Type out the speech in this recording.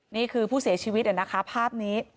นี่คือผู้เสียชีวิตนะคะภาพนี้